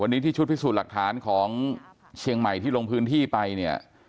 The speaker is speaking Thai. วันนี้ที่ชุดพิสูจน์หลักฐานของเชียงใหม่ที่ลงพื้นที่ไปเนี่ย